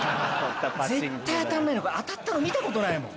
絶対当たんねえの当たったの見たことないもん。